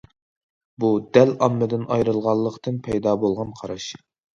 بۇ دەل ئاممىدىن ئايرىلغانلىقتىن پەيدا بولغان قاراش.